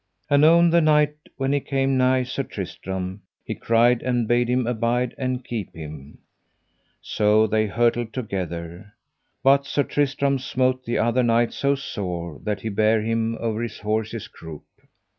Anon the knight, when he came nigh Sir Tristram, he cried and bade him abide and keep him. So they hurtled together, but Sir Tristram smote the other knight so sore that he bare him over his horse's croup.